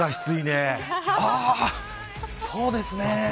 そうですね。